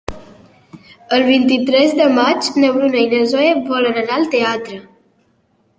El vint-i-tres de maig na Bruna i na Zoè volen anar al teatre.